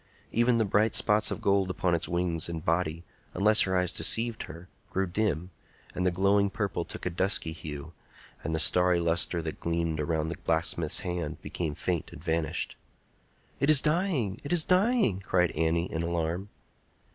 Even the bright spots of gold upon its wings and body, unless her eyes deceived her, grew dim, and the glowing purple took a dusky hue, and the starry lustre that gleamed around the blacksmith's hand became faint and vanished. "It is dying! it is dying!" cried Annie, in alarm.